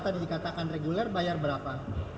tadi dikatakan reguler bayar berapa